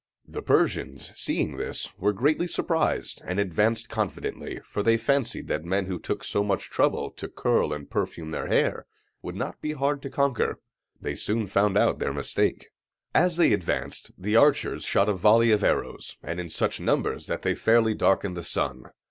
The Persians, seeing this, were greatly surprised, and advanced confidently, for they fancied that men who took so much trouble to curl and perfume their hair would not be hard to conquer. They soon found out their mistake. As they advanced, the archers shot a volley of arrows, and in such numbers that they fairly darkened the sun.